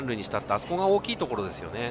あそこが大きいところですよね。